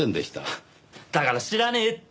だから知らねえって。